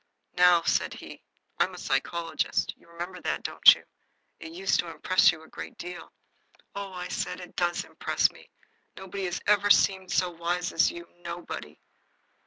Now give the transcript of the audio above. "Now," said he, "I'm a psychologist. You remember that, don't you? It used to impress you a good deal." "Oh," said I, "it does impress me. Nobody has ever seemed so wise as you. Nobody!"